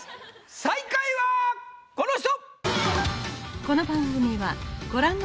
最下位はこの人！